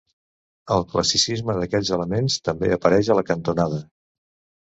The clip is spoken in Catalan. El classicisme d'aquests elements també apareix a la cantonada.